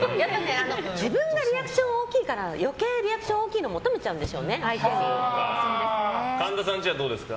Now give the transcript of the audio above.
自分がリアクション大きいから余計リアクション大きいのを神田さんちはどうですか？